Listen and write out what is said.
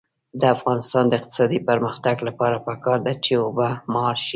د افغانستان د اقتصادي پرمختګ لپاره پکار ده چې اوبه مهار شي.